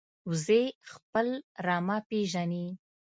وزې خپل رمه پېژني